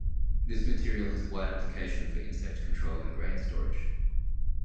This material has wide application for insect control in grain storage.